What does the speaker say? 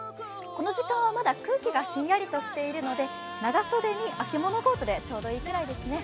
この時間は、まだ空気がひんやりとしているので長袖に秋物コートでちょうどいいくらいですね。